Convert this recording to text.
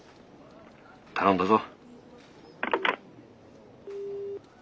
頼んだぞ。